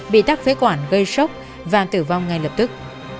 bị tắc phế quản gây sốc và tử vong ngay lập tức